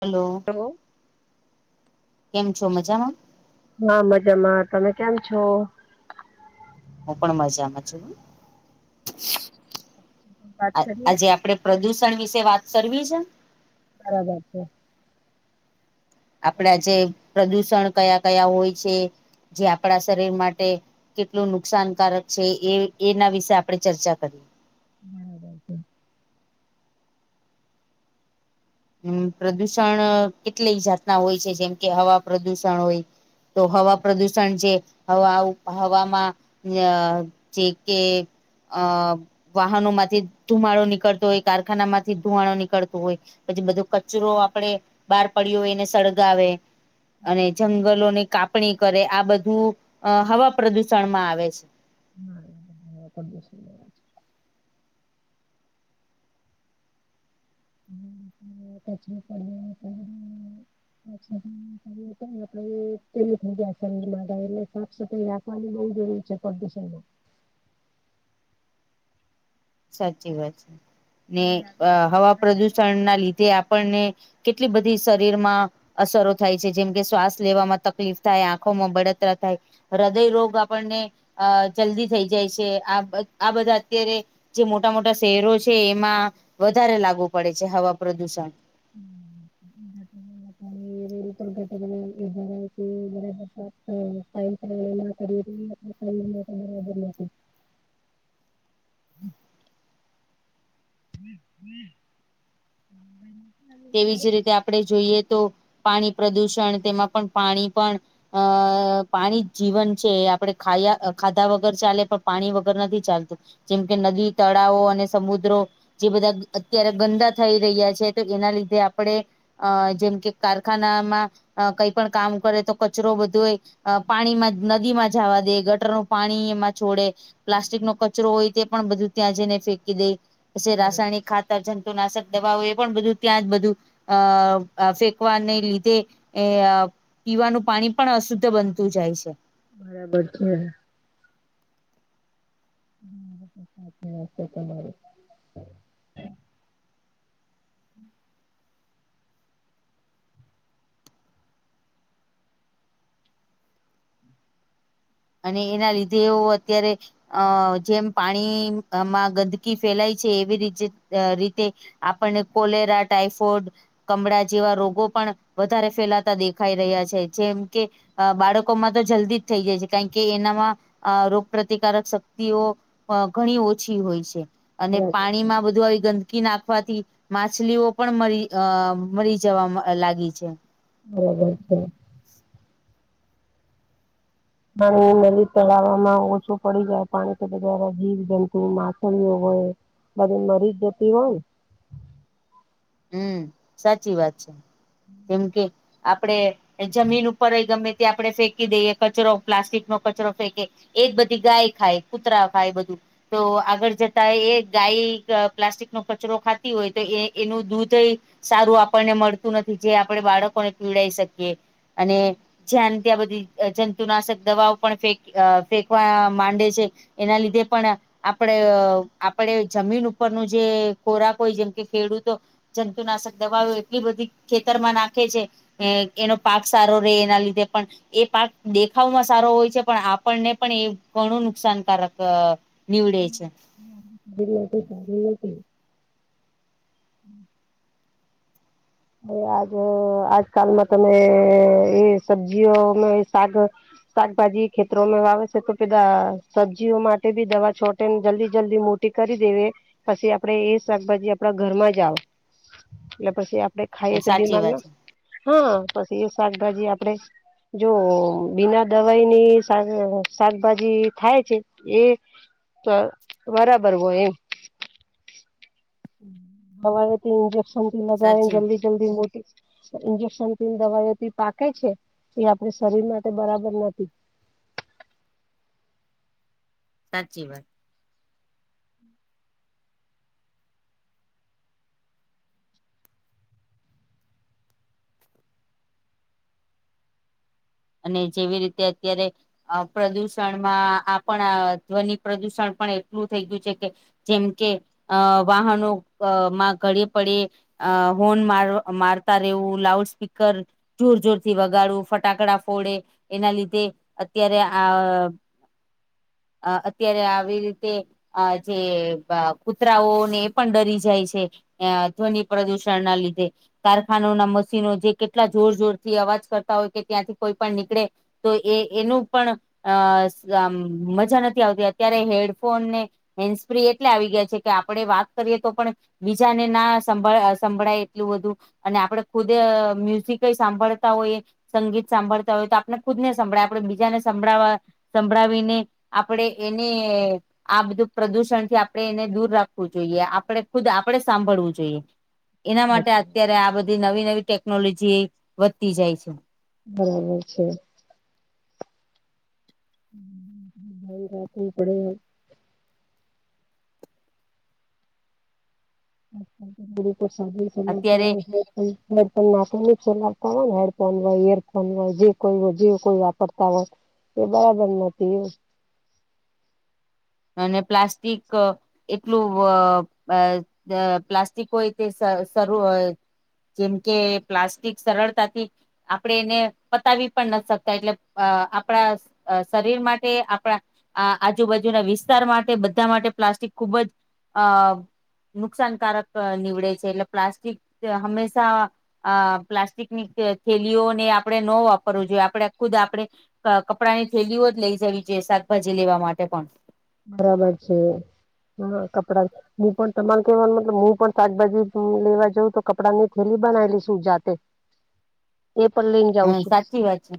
Hello! Hello. કેમ છો, મજામાં? હા, મજામાં. તમે કેમ છો? હું પણ મજામાં છું. વાત કરીએ આ-આજે આપડે પ્રદુષણ વિશે વાત કરવી છ? બરાબર છે. આપણા આજે પ્રદુષણ કયા કયા હોય છે જે આપડા શરીર માટે કેટલું નુકસાનકારક છે એ એના વિશે આપણે ચર્ચા કરીએ. બરાબર છે. હમ્મ, પ્રદુષણ કેટલી જાતના હોય છે જેમ કે હવા પ્રદુષણ હોય. તો હવા પ્રદુષણ જે હવા-હવામાં અ જે કે અ વાહનોમાંથી ધુમાડો નીકળતો હોય, કારખાનામાંથી ધુમાડો નીકળતો હોય. પછી બધો કચરો આપડે બહાર પડ્યો હોય એને સળગાવે અને જં ગલો ની કાપણી કરે આ બધું અ હવા પ્રદુષણમાં આવે છે. ના એને હવા પ્રદુષણ કહેવાય છે. [inaudible] [unintelligible] [unintelligible] થઈ ગયા એટલે સાફ સફાઈ રાખ [unintelligible] સાચી વાત છે ને મજા આવી અ હવા અવાજ આવે? પ્રદુષણ ના લીધે આપણને કેટલી બધી શરીરમાં અસરો થાય છે જેમ કે શ્વાસ લેવામાં તકલીફ થાય, આંખોમાં બળતરા થાય, હૃદય રોગ આપણને અ જલ્દી થઈ જાય છે આ બ આ બધા અત્યારે જે મોટા મોટા શહેરો છે એમાં વધારે લાગુ પડે છે હવા પ્રદુષણ. [unintelligible] [unintelligible] [unintelligible] [unintelligible] તેવી જ રીતે આપણે જોઈએ તો પાણી પ્રદુષણ તેમાં પણ પાણી પણ અ અ પાણી જીવન છે આપણે ખાયા ખાધા વગર ચાલે પણ પાણી વગર નથી ચાલતું. જેમ કે નદી તળાવો અને સમુદ્રો જે બધા અત્યારે ગંદા થઈ રહ્યા છે તો એના લીધે આપડણે અ જેમ કે કારખાનામાં અ કંઈક પણ કામ કરે તો કચરો બધો હોય અ પાણીમાં, નદીમાં જાવા દે ગટરનું પાણી એમાં છોડે પ્લાસ્ટિક નો કચરો હોય તે પણ બધું ત્યાં જઈને ફેંકી દે. પ રાસાયણિક ખાતર જંતુનાશક દવાઓ એ પણ બધું ત્યાં જ બધું અ અ ફેંકવાને લીધે એ પીવાનું પાણી પણ અશુદ્ધ બનતું જાય છે. બરાબર છે. હ સાશે તમારું એના લીધે એવું અત્યારે અ જેમ પાણીમાં ગંદકી ફેલાય છે. એવી રીતે રીતે આપણે કોલેરા ટાઈફોઈડ કમળા જેવા રોગો પણ વધારે ફેલાતા દેખાઈ રહ્યા છે. જેમ કે અ બાળકોમાં તો જલ્દી જ થઈ જાય છે. કાર એનામાં અ રોગપ્રતિકારક શક્તિઓ ઘણી ઓછી હોય છે. અને પાણીમાં બધું ગંદકી નાખવાથી માછલીઓ પણરી અ મરી જવા લાગી છે. બરાબર છે. પાણી નદી તલામાં ઓછું પડી જાય પાણી કે જીવ જંતુ માછલીઓ હોય. બધી મરી જતી હોય ન હમ સાચી વાત છે. કેમ કે આપડે જમીન ઉપર એ ગમે આપડણે ફેંકી દઈએ કચરો પ્લાસ્ટિકનો કચરો ફેંકે એ બધી ગાય ખાય કૂતરા ખાય બધું તો આગળ જતા એ ગાય પ્લાસ્ટિકનો કચરો ખાતી હોય તો એ એનું દૂધ એ સારું આપણને મળતું નથી. જે આપણે બાળકોને પીવડાઈ શકીએ અને જ્યા ન ત્યાં બધી જંતુનાશક દવાઓ પણ ફે ફેંકવા માંડે છે. એના લીધે પણ આપણે આપડ જમીન ઉપરનું જે ખોરાક હોય જેમ કે ખેડૂતો જંતુનાશક દવાઓ એટલી બધી ખેતરમાં નાખે છે. એનો પાક સારો રહે એના લીધે પણ એ પાક દેખાવમાં સારો હોય છે. પણ આપણને પણ એ ઘણું નુકસાનકારક નીવ ડે છે. [unintelligible] [unintelligible] આજ આજકાલમાં તમે એ સબ્જીઓમાં એ શાક શાકભાજી ખેતરોમાં વાવે છે. તો [unintelligible] સબ્જીઓ માટે બી દવા છોટે ને જલ્દી જલ્દી મો ટી કરી દેવે પછી આપડે એ શાકભાજી આપડા ઘરમાં જ આવ એટલે પછી આપડે ખાઈએ તો સાચી બીમાર વાત ના છે હા પછી એ શાકભાજી આપડે જો બિન દવાઈની શાક-શાકભાજી થાય છે. એ ત બરાબર હોય. એમ [unintelligible] ઇજેક્શનથી લગાવીને સાચી જલ્દી જલ્દી મોટી ઈન્જેક્શનથી ને દવાઓથી પાકે છે. એ આપડે શરીર માટે બરાબર નથી સાચી વાત અને જેવી રીતે અત્યારે આ પ્રદુષણમાં આ પણ ધ્વનિ પ્રદુષણ પણ એટલું થઈ ગયું છે કે જેમ કે અ વાહનોમાં [unintelligible] પડે અ હોન માર-મારતા રહેવું લાઉડ સ્પીકર જોર જોરથી વગાડવું ફટાકડા ફોડે એના લીધે અત્યારે આ અ અત્યારે આવી રીતે આ જે કૂતરાઓને એ પણ ડરી જાય છે. અ ધ્વનિ પ્રદુષણના લીધે કારખાનોઓ ના મશીનો જે કેટલા જોર જોર થી અવાજ કરતા હોય કે ત્યાંથી કોઈ પણ નીકળે તો એ એનું પણ અ આમ મજા નથી આવતી અત્યારે હેડફોનને હેન્સ ફ્રી એટલે આવી ગયા છે, કે આપડે વાત કરીએ તો પણ બીજાને ના સંભળ-સંભળાય એટલું બધું અને આપડે ખુદે મ્યુઝિકેય સાંભળતા હોયએ સંગીત સાંભળતા હોય તો આપણે ખુદને સંભળાય આપડે બીજાને સંભળાવા સંભળાવીને આપડે એને આ બધું પ્રદુષણ થી આપડે એને દૂર રાખવું જોઈએ આપડે ખુદ આપડે સાંભળવું જોઈએ એના માટે અત્યારે આ બધી નવી નવી ટેકનોલોજી વધતી જાય છે. બરાબર છે. હમ્મ [unintelligible] રાખવું પડે [inaudible] [unintelligible] [inaudible] હેડફોન [unintelligible] [unintelligible] હોય અત્યારે ને હેડફોન હોય યરફોન હોય જે કોઈ હોય જે કોઈ વાપરતા હોય [inaudible] એ બરાબર નથી એવું અને પ્લાસ્ટિક એટલું [unintelligible] પ્લાસ્ટિક હોય તે [unintelligible] [unintelligible] જેમકે પ્લાસ્ટિક સરળતાથી આપડે એને પતાવી પણ નથી શકતા એટલે અ આપણા અ શરીર માટે આપણા આ-આજુબાજુના વિસ્ તારા માટે બધા માટે પ્લાસ્ટિક ખુબ જ અ નુકસાનકારક નીવડે છે, એટલે પ્લાસ્ટિક હંમેશા અ પ્લાસ્ટિકની થેલીઓને આપડે નો વાપરવુ જોઈએ આપડે ખુદ આપડે કપડાંની થેલીઓ જ લઈ જવી જોઈએ શાકભાજી લેવા માટે પણ બરાબર છે, હા કપડા હું પણ તમારે કેવાનો મતલબ હું પણ શાકભાજી લેવા જઉં તો કપડાંની થેલી બનાઈ લીશું જાતે એ પણ લઈને હ જાઉં છું. સાચી વાત છે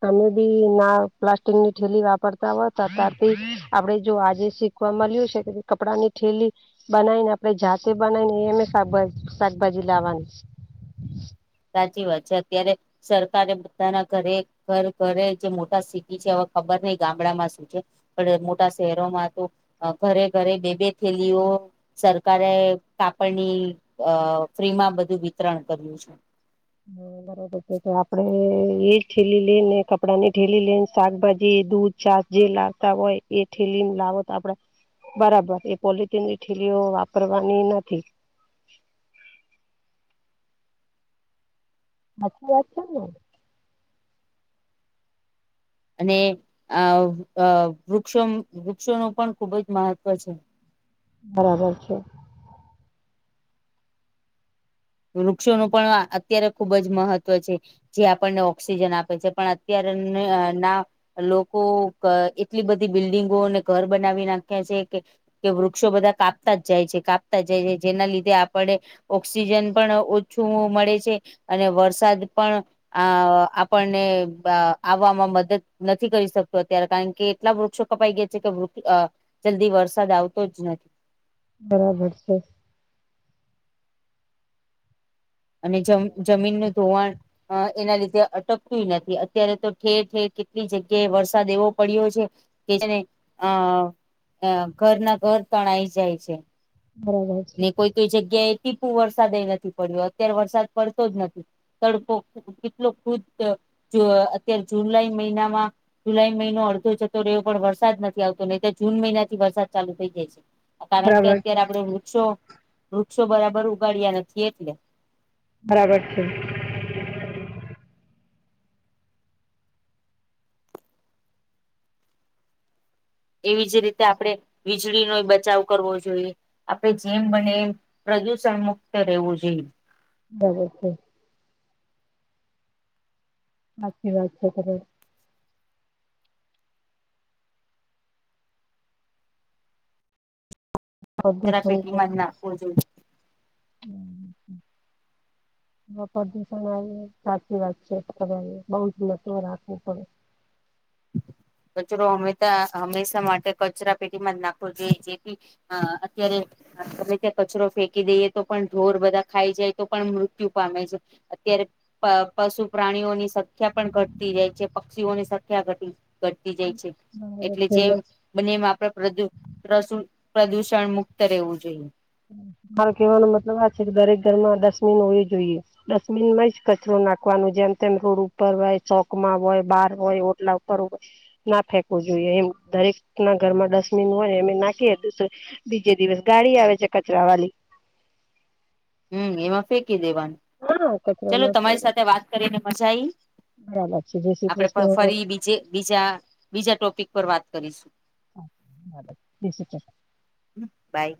તમે બી ના પ્લાસ્ટિકની થેલી વાપરતા હોત [unintelligible] તો અત્યારથી આપડે જો આજે શીખવા મળ્યું છે, કે કપડાની થેલી બનાઈને આપણે જાતે બનાઈને એમે શાકભા-શાકભાજી લાવવાની સાચી વાત છે, અત્યારે સરકારે બધાના ઘરે ઘરે ઘરે જે મોટા સિટી છે, હવે ખબર નહી ગામડામાં શું છે. પણ મોટા શહેરોમાં તો અ ઘરે ઘરે બે બે થેલીઓ સરકારે કાપડની અ ફ્રીમાં બધું વિતરણ કર્યું છે. હ બરોબર તો આપડે હ [unintelligible] એ જ થેલી લેયને કપડાં ની થેલી લેય ને શાકભાજી દૂધ છાસ જે લાવતા હોય એ થેલીની લાવો તો આપડે બરાબર એ પોલીથીન ની થે લીઓ વાપરવાની નથી હાચી વાત છે, ને અને આ અ અ વૃક્ષો વૃક્ષોનું પણ ખુબ જ મહત્વ છે. બરાબર છે. વૃક્ષોનું પણ અત્યારે ખુબ જ મહત્વ છે. જે આપણને ઓક્સિજન આપે છે, પણ અત્ય્યારે ને ના લોકો અ એટલી બધી બિલ્ડિંગોને ઘર બનાવી નાખ્યા છે. કે કે વૃક્ષો બધા કાપતા જાય છે. કાપતા જાય છે. જેના લીધે ઓક્સિજન પણ ઓછું મળે છે. અને વરસાદ પણ અ આપણને આવવામાં મદદ નથી કરી શકતો. અત્યારે કારણ કે એટલા વૃક્ષો કપાઈ ગયા છે. કે વૃ અ જલ્દી વરસાદ આવતો જ નથી. બરાબર છે. અને જમ જમીનનું ધોવાણ અ એના લીધે અટકતું નથી. અત્યારે તો ઠેર ઠેર કેટલી જગ્યાએ વરસાદ એવો પડ્યો છે. જેને અ અ ઘરના ઘર તણાઈ જાય છે. બરાબર છે ને કોઈ કોઈ જગ્યાએ ટીપુ વરસાદએ નથી પડ્યો અત્યારે વરસાદ પડતો જ નથી. તડકો કેટલો ખુ અત્યારે જુ જુલાઈ મહિનામાં જુલાઈ મહિનો અડધો જતો રહ્યો પણ વરસાદ નથી આવતો નહી. તો જૂન મહિના થી વરસાદ ચાલુ થઈ જાય છે. કારણ કે બરાબર અત્યારે છે આપડણે વૃક્ષો વૃક્ષો બરાબર ઉગાડ્યા નથી. એટલે બરાબર છે. એવી જ રીતે આપણે વીજળીનો બચાવ કરવો જોઈએ. આપણે જેમ બને એમ પ્રદૂષણ મુક્ત રહેવું જોઈએ. બરાબર સાચી વાત છે. તમારી કચરા પ્રદુષણ પેટીમાં જ નાખવો જોઇએ. હ પ્રદુષણ આવે સાચી વાત છે. તો તમે બઉ જ [unintelligible] રાખવું પડે કચરો હંમેશા હંમેશા માટે કચરા પેટીમાં જ નાખવો જોઈએ જેથી અ અત્યારે હા તમે ત્યાં કચરો ફેંકી દઈએ તો પણ ઢોર બધા ખાઈ જાય તો પણ મૃત્યુ પામે છે. અત્યારે પશુ પ્રાણીઓની સંખ્યા પણ ઘટતી જાય છે. પક્ષીઓની સંખ્યા ઘટી ઘટતી જાય છે. બરાબર એટલે છે જેમ બંને એમ આપડે પદુ પશ પ્રદુષણ મુક્ત રહેવું જોઈએ. માર કહેવાનો મતલબ આ છે. કે દરેક ઘર મા ડસમીન હોવી જોઈએ. ડસ્ટબિનમાં જ કચરો નાખવાનું જેમ તેમ રોડ ઉપર હોય ચોકમાં હોય બાર હોય ઓટલા ઉપર હોય. ના ફેંકવું જોઈએ. એમ દરેકના ઘરમાં ડસ્ટબિન હોય ને એમે નાખીએ. બીજે દિવસે ગાડી આવે છે. કચરા વાલી હમ એમાં ફેંકી દેવાનું હા ચલો કચરામાં તમારી સાથે વાત કરીને મજા આઈ બરાબર છે જય શ્રી કૃષ્ણ આપણેે ફરી બીજે બીજા બીજા ટોપિક પર વાત કરીશું. [unintelligible] હ બાય